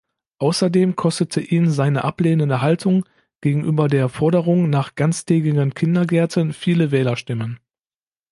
Außerdem kostete ihn seine ablehnende Haltung gegenüber der Forderung nach ganztägigen Kindergärten viele Wählerstimmen.